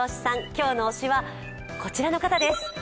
今日の推しはこちらの方です。